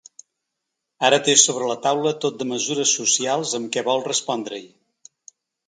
Ara té sobre la taula tot de mesures socials amb què vol respondre-hi.